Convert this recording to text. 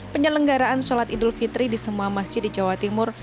penyelenggaraan sholat idul fitri di semua masjid di jawa timur